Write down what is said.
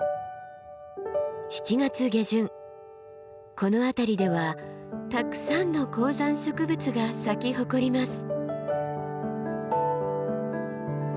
７月下旬この辺りではたくさんの高山植物が咲き誇ります。